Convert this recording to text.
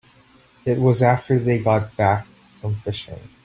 It was after they got back from fishing.